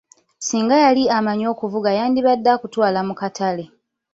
Singa yali amanyi okuvuga yandibadde akutwala mu katale.